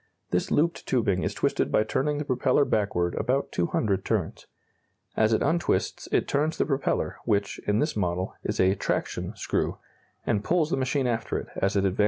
This looped tubing is twisted by turning the propeller backward about two hundred turns. As it untwists it turns the propeller, which, in this model, is a "traction" screw, and pulls the machine after it as it advances through the air.